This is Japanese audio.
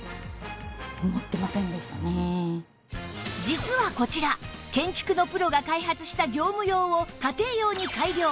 実はこちら建築のプロが開発した業務用を家庭用に改良